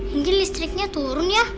ini listriknya turun ya